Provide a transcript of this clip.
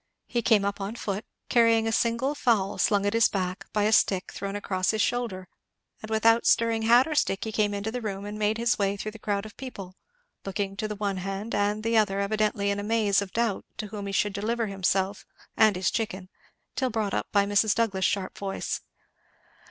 He came up on foot, carrying a single fowl slung at his back by a stick thrown across his shoulder, and without stirring hat or stick he came into the room and made his way through the crowd of people, looking to the one hand and the other evidently in a maze of doubt to whom he should deliver himself and his chicken, till brought up by Mrs. Douglass's sharp voice.